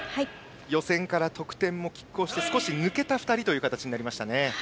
予選から得点もきっ抗して少し抜けた２人という形ですね。